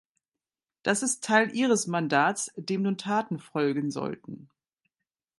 Das ist Teil ihres Mandats, dem nun Taten folgen sollten.